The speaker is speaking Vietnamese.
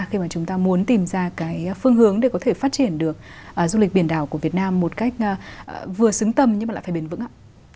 khi mà chúng ta muốn tìm ra cái phương hướng để có thể phát triển được du lịch biển đảo của việt nam một cách vừa xứng tầm nhưng mà lại phải bền vững ạ